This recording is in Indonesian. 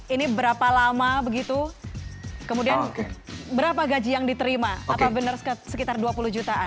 ini berapa lama begitu kemudian berapa gaji yang diterima apa benar sekitar dua puluh jutaan